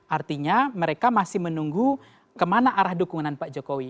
artinya mereka masih menunggu kemana arah dukungan pak jokowi